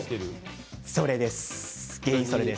それです。